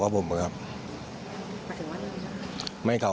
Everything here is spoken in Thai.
กลัวโดนตีอ้าวหลวงตีอ้าว